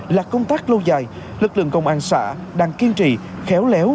là công tác lâu dài lực lượng công an xã đang kiên trì khéo léo